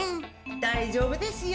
大丈夫ですよ。